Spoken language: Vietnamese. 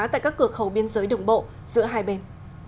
tại các cửa khẩu biên giới đường bộ giữa hai bên